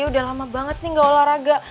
sudah lama banget ini tidak olahraga